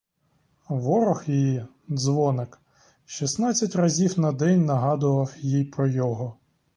Ворог її, дзвоник, шістнадцять разів на день нагадував їй про його.